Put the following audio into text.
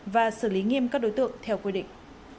và xử lý nghiêm các đối tượng theo quy định